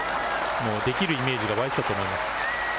できるイメージがあったんだと思います。